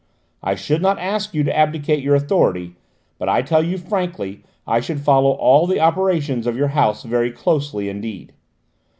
I should not ask you to abdicate your authority, but I tell you frankly I should follow all the operations of your house very closely indeed."